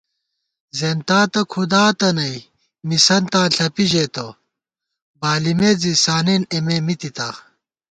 زیَنتاتہ کھُداتہ نئ مِسَنتاں ݪپی ژېتہ ، بالِمېت زی سانېن اېمےمِتِتا